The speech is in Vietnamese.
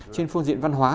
trên phương diện văn hóa